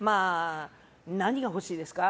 何が欲しいですか？